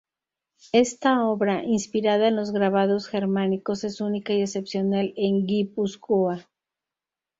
Esta obra, inspirada en los grabados germánicos, es única y excepcional en Guipúzcoa.